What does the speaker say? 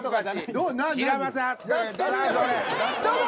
どうぞ！